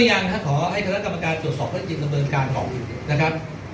ก็ยังฮะขอให้คำลักษณะกรรมการตรวจสอบพฤติกิจดำเนินการของอีกนะครับ